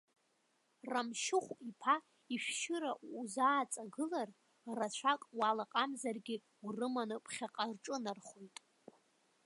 Рамшьыхә иԥа ишәшьыра узааҵагылар, рацәак уалаҟамзаргьы, урыманы ԥхьаҟа рҿынархоит.